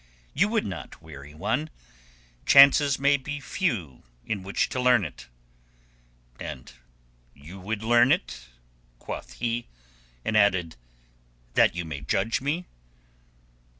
"You would not weary me. Chances may be few in which to learn it." "And you would learn it?" quoth he, and added, "That you may judge me?"